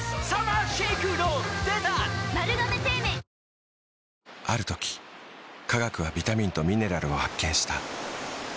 ニトリある時科学はビタミンとミネラルを発見した。